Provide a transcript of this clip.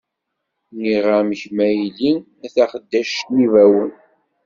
Nniɣ-am, kemm a yelli, a taxeddact n yibawen.